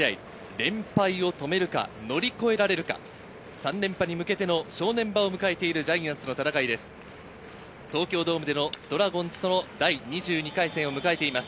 連敗を止めるか乗り越えられるか、３連覇に向けての正念場を迎えているジャイアンツの戦いです。